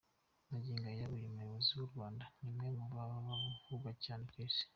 Magingo aya uyu muyobozi w’u Rwanda ni umwe mu bavugwa cyane ku Isi.